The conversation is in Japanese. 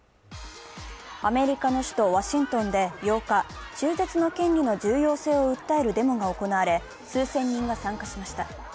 アメリカの首都ワシントンで８日、中絶の権利の重要性を訴えるデモが行われ、数千人が参加しました。